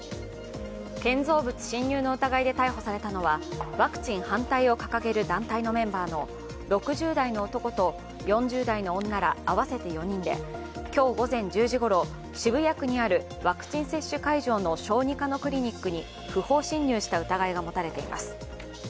建造物侵入の疑いで逮捕されたのは、ワクチン反対を掲げる団体のメンバーの６０代の男と４０代の女ら合わせて４人で今日午前１０時ごろ、渋谷区にあるワクチン接種会場の小児科のクリニックに不法侵入した疑いが持たれています。